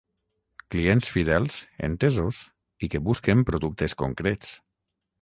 Clients fidels, entesos, i que busquen productes concrets.